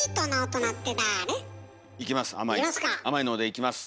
いきます。